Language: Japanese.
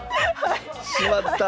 しまった。